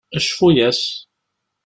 Cfu-yas!